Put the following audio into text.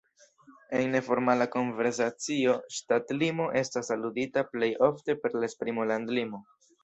En neformala konversacio ŝtatlimo estas aludita plej ofte per la esprimo landlimo.